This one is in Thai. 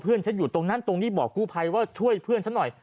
ฉันอยู่ตรงนั้นตรงนี้บอกกู้ภัยว่าช่วยเพื่อนฉันหน่อย